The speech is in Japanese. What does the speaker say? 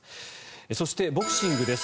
そして、ボクシングです。